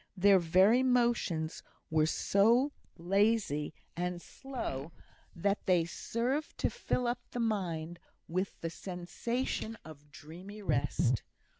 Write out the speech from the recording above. Their very motions were so lazy and slow, that they served to fill up the mind with the sensation of dreamy rest.